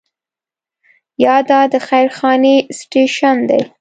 یا دا د خير خانې سټیشن دی.